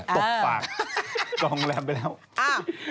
ตกปากตรงแรมไปแล้วอ้าว